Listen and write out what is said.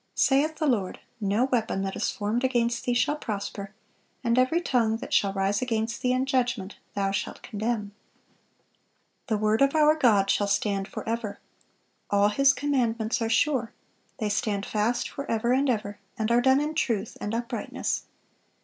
Saith the Lord, "No weapon that is formed against thee shall prosper; and every tongue that shall rise against thee in judgment thou shalt condemn."(428) "The word of our God shall stand forever." "All His commandments are sure. They stand fast forever and ever, and are done in truth and uprightness."